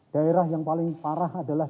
daerah yang paling parah adalah